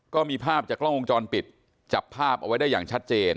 ก็มีภาพจากกล้องวงจรปิดจับภาพเอาไว้ได้อย่างชัดเจน